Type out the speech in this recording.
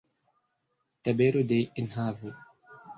Tabelo de enhavo.